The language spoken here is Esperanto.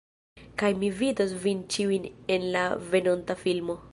Kaj mi vidos vin ĉiujn en la venonta filmo.